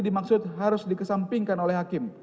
dimaksud harus dikesampingkan oleh hakim